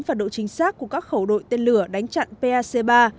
và độ chính xác của các khẩu đội tên lửa đánh chặn pac ba